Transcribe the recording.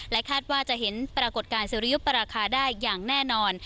คาดว่าจะเห็นปรากฏการณ์สุริยุปราคาได้อย่างแน่นอน